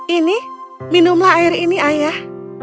ini minumlah air ini ayah